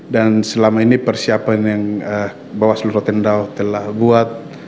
dan selama ini persiapan yang bawah seluruh rotendau telah buat